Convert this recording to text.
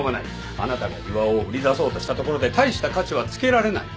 あなたが巌を売り出そうとしたところで大した価値は付けられない。